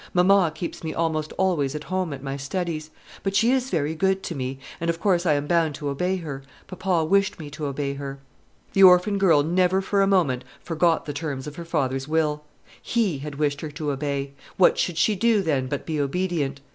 Mamma keeps me almost always at home at my studies; but she is very good to me, and of course I am bound to obey her; papa wished me to obey her." The orphan girl never for a moment forgot the terms of her father's will. He had wished her to obey; what should she do, then, but be obedient?